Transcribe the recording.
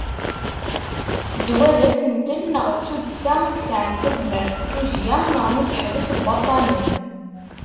Ddwa d asentel neɣ d tuddsa i yesɛan tazmert n tujya neɣ n useḥbes n waṭṭanen.